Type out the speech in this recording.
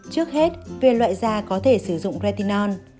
trước hết về loại da có thể sử dụng retion